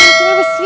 niatin apa sih